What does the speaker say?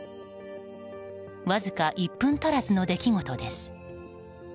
わずか１分足らずの出来事です。